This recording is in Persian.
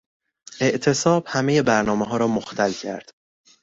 اعتصاب همهی برنامهها را مختل کرد.